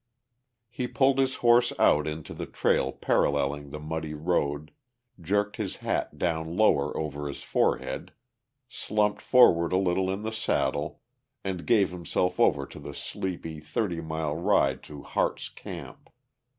He pulled his horse out into the trail paralleling the muddy road, jerked his hat down lower over his forehead, slumped forward a little in the saddle, and gave himself over to the sleepy thirty mile ride to Harte's Camp.